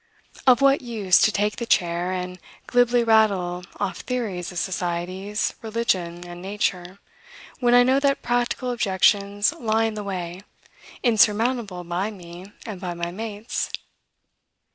Of what use to take the chair, and glibly rattle off theories of societies, religion, and nature, when I know that practical objections lie in the way, insurmountable by me and by my mates?